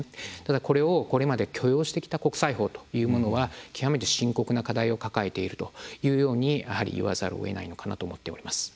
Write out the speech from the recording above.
これをこれまで許容してきた国際法というものは極めて深刻な課題を抱えているというようにいわざるをえないのかなと思っております。